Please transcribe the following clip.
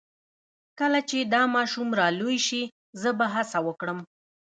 کله چې دا ماشوم را لوی شي زه به هڅه وکړم